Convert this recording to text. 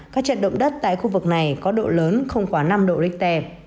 các trận động đất tại khu vực này có độ lớn không quá năm độ richter